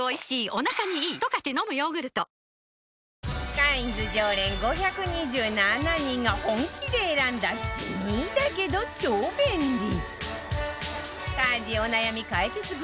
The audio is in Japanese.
カインズ常連５２７人が本気で選んだ地味だけど超便利家事お悩み解決グッズ